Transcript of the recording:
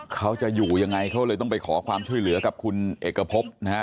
เขาจะอยู่ยังไงเขาเลยต้องไปขอความช่วยเหลือกับคุณเอกพบนะฮะ